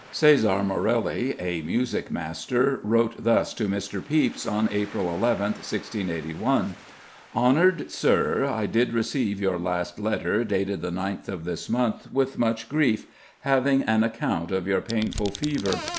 Cesare Morelli (a music master) wrote thus to Mr. Pepys on April 11th, 1681: "Honoured Sir, I did receive your last letter, dated the ninth of this month, with much grief, having an account of your painful fever.